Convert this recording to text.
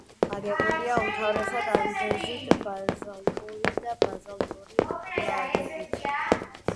აგებულია უმთავრესად ანდეზიტ-ბაზალტური და ბაზალტური ლავებით.